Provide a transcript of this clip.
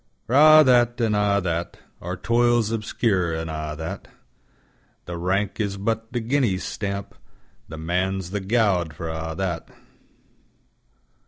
For a' that, an' a' that. Our toils obscure an' a' that, The rank is but the guinea's stamp, The Man's the gowd for a' that.